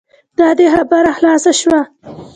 دا دی خبره خلاصه شوه.